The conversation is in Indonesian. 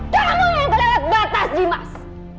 kamu yang berlewat batas dimas